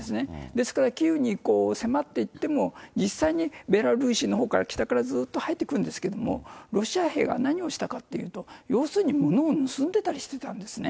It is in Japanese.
ですからキーウに迫っていっても、実際にベラルーシのほうから、北からずっと入ってくるんですけども、ロシア兵が何をしたかというと、要するに物を盗んでたりしたんですね。